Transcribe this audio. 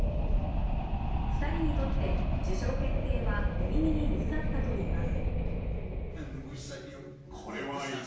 ２人にとって受賞決定は寝耳に水だったといいます。